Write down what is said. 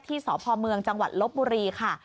สพเมืองจังหวัดลบบุรีค่ะ